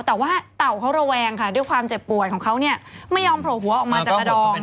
แต่ว่าเต่าเขาระแวงค่ะด้วยความเจ็บปวดของเขาไม่ยอมโผล่หัวออกมาจากกระดอง